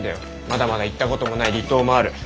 まだまだ行ったこともない離島もある。